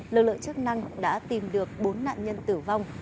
lực lượng chức năng đã tìm được bốn nạn nhân tử vong